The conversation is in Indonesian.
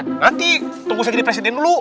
nanti tunggu saya jadi presiden dulu